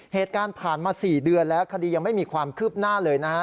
เหตุการณ์ผ่านมา๔เดือนแล้วคดียังไม่มีความคืบหน้าเลยนะฮะ